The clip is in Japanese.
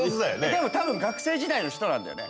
でも多分学生時代の人なんだよね？